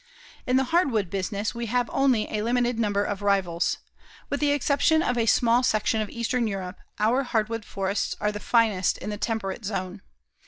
In the hardwood business, we have only a limited number of rivals. With the exception of a small section of eastern Europe, our hardwood forests are the finest in the Temperate Zone.